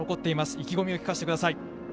意気込みを聞かせてください。